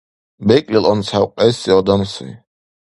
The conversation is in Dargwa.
БекӀлил анцӀхӀевкьеси адам сай.